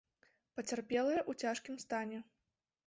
Пацярпелыя ў цяжкім стане.